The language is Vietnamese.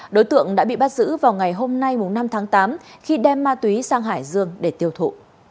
đối tượng đã bị bắt giữ vào ngày hôm nay năm tháng tám khi đem ma túy sang hải dương để tiêu thụ